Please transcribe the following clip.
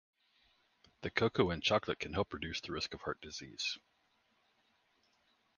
The cocoa in chocolate can help reduce the risk of heart disease.